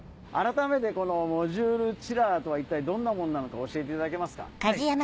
改めてこのモジュールチラーとは一体どんなものなのか教えていただけますか？